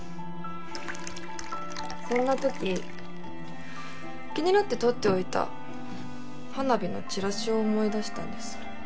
そんな時気になって取っておいた花火のチラシを思い出したんです。